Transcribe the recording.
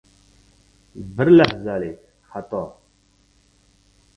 Bir lahzalik xato...